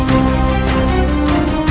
aku harus membantu